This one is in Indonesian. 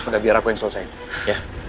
udah udah biar aku yang selesaikan ya